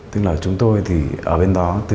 tức là chúng tôi thì ở bên đó